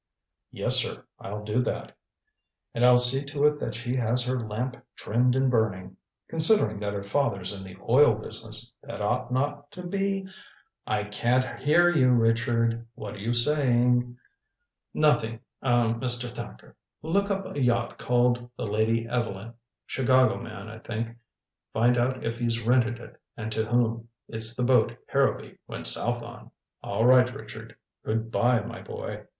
"Yes, sir. I'll do that. And I'll see to it that she has her lamp trimmed and burning. Considering that her father's in the oil business, that ought not to be " "I can't hear you, Richard. What are you saying?" "Nothing er Mr. Thacker. Look up a yacht called the Lady Evelyn. Chicago man, I think find out if he's rented it, and to whom. It's the boat Harrowby went south on." "All right, Richard. Good by, my boy.